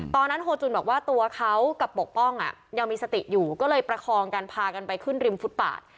โฮจุนบอกว่าตัวเขากับปกป้องยังมีสติอยู่ก็เลยประคองกันพากันไปขึ้นริมฟุตบาท